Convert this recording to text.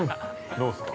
◆どうですか。